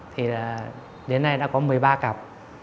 thì đến nay đã có một mươi ba cặp